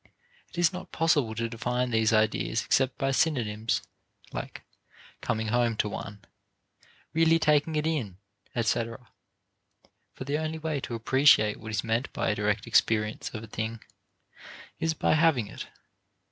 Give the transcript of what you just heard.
It is not possible to define these ideas except by synonyms, like "coming home to one" "really taking it in," etc., for the only way to appreciate what is meant by a direct experience of a thing is by having it.